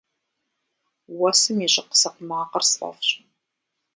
Уэсым и щӏыкъ-сыкъ макъыр сфӏэфӏщ.